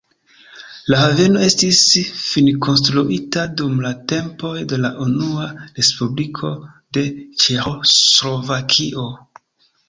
La haveno estis finkonstruita dum la tempoj de la Unua respubliko de Ĉeĥoslovakio.